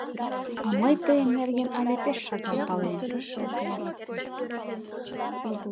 — А мый тыйын нерген але пеш шагал палем.